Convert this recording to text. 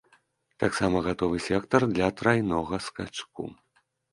Таксама гатовы сектар для трайнога скачку.